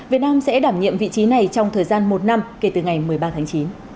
việt nam sẽ đảm nhiệm vị trí này trong thời gian một năm kể từ ngày một mươi ba tháng chín